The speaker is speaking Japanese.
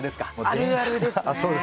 あるあるですね。